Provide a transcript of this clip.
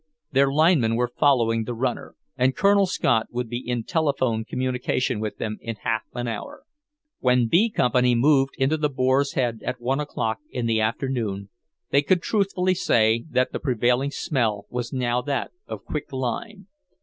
Their linemen were following the runner, and Colonel Scott would be in telephone communication with them in half an hour. When B Company moved into the Boar's Head at one o'clock in the afternoon, they could truthfully say that the prevailing smell was now that of quick lime.